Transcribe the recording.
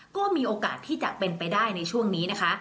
ก็มีโอกาสที่จะเป็นไปได้ในช่วงนี้นะคะ